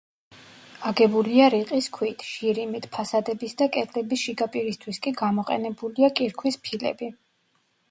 აგებულია რიყის ქვით, შირიმით, ფასადების და კედლების შიგა პირისთვის კი გამოყენებულია კირქვის ფილები.